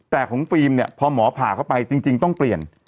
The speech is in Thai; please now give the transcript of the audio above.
แต่ของฟิล์มเนี่ยพอหมอผ่าเข้าไปจริงต้องเปลี่ยน